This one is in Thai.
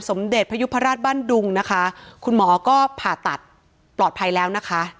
สมเด็จพยุพราชบ้านดุงนะคะคุณหมอก็ผ่าตัดปลอดภัยแล้วนะคะ